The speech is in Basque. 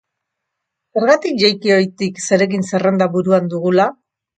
Zergatik jaiki ohetik zeregin zerrenda buruan dugula?